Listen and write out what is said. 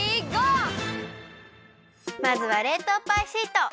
まずはれいとうパイシート！